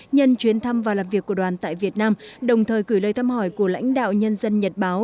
nhân chuyến thăm và làm việc của đoàn tại việt nam đồng thời gửi lời thăm hỏi của lãnh đạo nhân dân nhật báo